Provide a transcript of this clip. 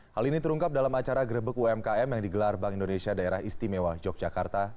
hal ini terungkap dalam acara grebek umkm yang digelar bank indonesia daerah istimewa yogyakarta